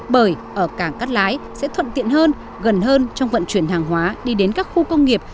bởi ở cảng cắt lái sẽ thuận tiện hơn gần hơn trong vận chuyển hàng hóa đi đến các khu công nghiệp